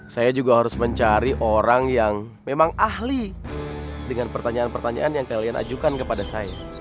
saya juga harus mencari orang yang memang ahli dengan pertanyaan pertanyaan yang kalian ajukan kepada saya